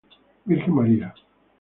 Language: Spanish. Virgen María.